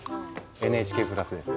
ＮＨＫプラスです。